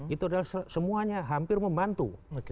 itu adalah semuanya hampir membantu